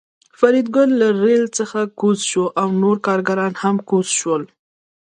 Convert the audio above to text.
فریدګل له ریل څخه کوز شو او نور کارګران هم کوز شول